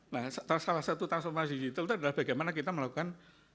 nah salah satu transformasi digital itu adalah bagaimana kita melakukan